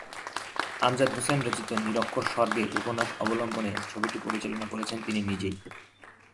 আমজাদ হোসেন রচিত "নিরক্ষর স্বর্গে" উপন্যাস অবলম্বনে ছবিটি পরিচালনা করেছেন তিনি নিজেই।